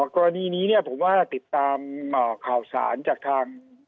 กรณีนี้เนี่ยผมว่าติดตามข่าวสารจากทาง